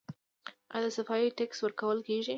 آیا د صفايي ټکس ورکول کیږي؟